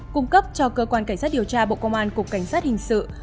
cung cấp cho cơ quan cảnh sát điều tra bộ công an cục cảnh sát hình sự